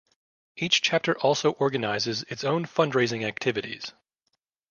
Each chapter also organizes its own fundraising activities.